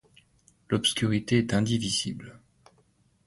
L’obscurité est indivisible.